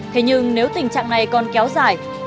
thế nhưng nếu tình trạng này còn kéo dài